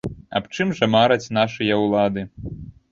Аб чым жа мараць нашыя улады?